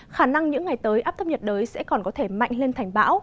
khả năng những ngày tới áp thấp nhiệt đới sẽ còn có thể mạnh lên thành bão